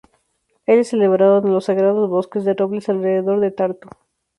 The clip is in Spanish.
Él es celebrado en los sagrados bosques de robles alrededor de Tartu.